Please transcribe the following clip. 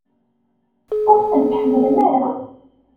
Ur ten-tḥemmlem ara?